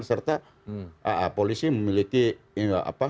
serta polisi memiliki struktur yang lebih optimal